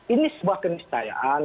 ini sebuah kenistayaan